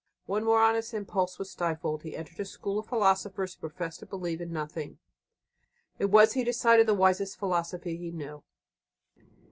One more honest impulse was stifled. He entered a school of philosophers who professed to believe in nothing. It was, he decided, the wisest philosophy he knew.